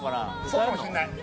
そうかもしんない